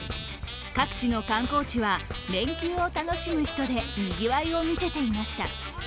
各地の観光地は連休を楽しむ人でにぎわいをみせていました。